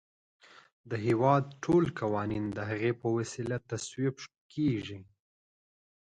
د هیواد ټول قوانین د هغې په وسیله تصویب کیږي.